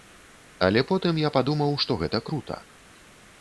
Але потым я падумаў, што гэта крута.